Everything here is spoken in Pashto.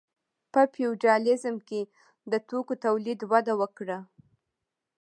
په فیوډالیزم کې د توکو تولید وده وکړه.